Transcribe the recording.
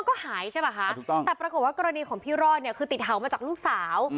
ก็หายใช่ป่ะคะถูกต้องแต่ปรากฏว่ากรณีของพี่รอดเนี่ยคือติดเห่ามาจากลูกสาว